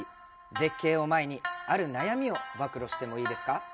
絶景を前にある悩みを暴露していいですか？